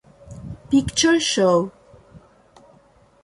Picture Show